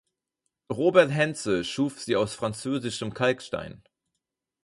Robert Henze schuf sie aus französischem Kalkstein.